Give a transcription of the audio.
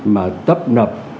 mà tấp nập